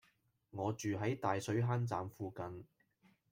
我住喺大水坑站附近